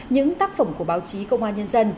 những tác phẩm của báo chí công an nhân dân